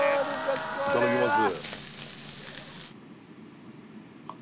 いただきます